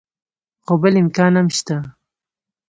خو بل امکان هم شته.